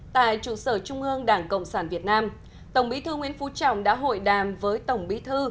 tại trụ sở trung ương đảng cộng sản việt nam tổng bí thư nguyễn phú trọng đã hội đàm với tổng bí thư